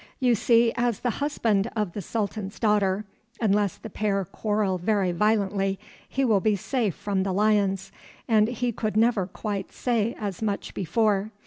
You see, as the husband of the Sultan's daughter, unless the pair quarrel very violently, he will be safe from the lions, and he could never quite say as much before.